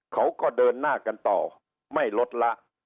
เขาก็เดินหน้ากันต่อไม่ลดละ